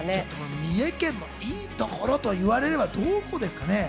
三重県のいいところと言われればどこですか？